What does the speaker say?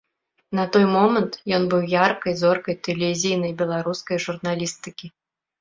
На той момант ён быў яркай зоркай тэлевізійнай беларускай журналістыкі.